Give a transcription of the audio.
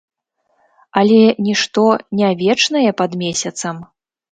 Але нішто не вечнае пад месяцам.